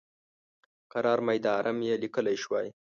قرار میدارم یې لیکلی شوای.